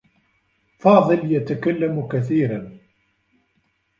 فاضل يتكلّم كثيرا.